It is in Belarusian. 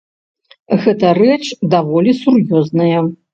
Гэта рэч даволі сур'ёзная.